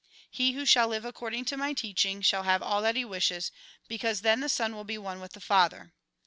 He who shall live according to my teaching, shall have all that he wishes, because then the Son will be one with the Father.